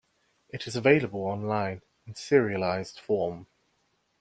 It is available online, in serialized form.